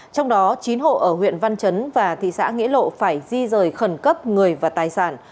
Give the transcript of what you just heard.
trong đó chín hộ ở huyện văn chấn và thị xã nghĩa lộ phải di rời khẩn cấp người và tài sản